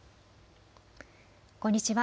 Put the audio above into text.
こんにちは。